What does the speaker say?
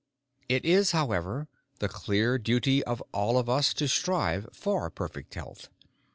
It is, however, the clear duty of all of us to strive for perfect health.